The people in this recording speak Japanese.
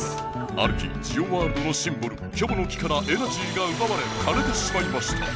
ある日ジオワールドのシンボルキョボの木からエナジーがうばわれかれてしまいました。